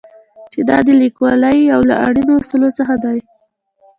چې دا د لیکوالۍ یو له اړینو اصولو څخه دی.